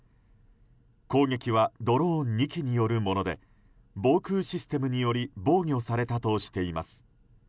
攻撃はドローン２機によるもので防空システムにより防御されたとしています。